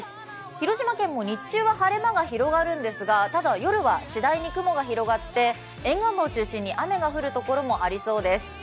広島県も日中は晴れ間が広がるんですがただ、夜はしだいに雲が広がって沿岸部を中心に雨が降るところもありそうです。